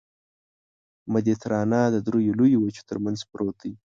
مدیترانه د دریو لویو وچو ترمنځ پروت دی.